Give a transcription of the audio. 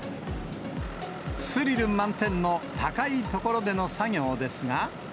スリル満点の高い所での作業ですが。